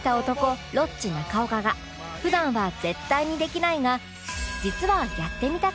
ロッチ中岡が普段は絶対にできないが実はやってみたかった